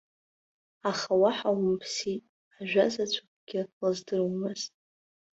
Аха уаҳа умԥсит, ажәазаҵәыкгьы лыздыруамызт.